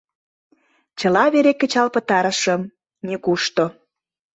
Чыла вере кычал пытарышым — нигушто.